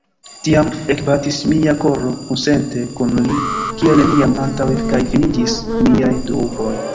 Tiam ekbatis mia koro kunsente kun li kiel neniam antaŭe, kaj finiĝis miaj duboj.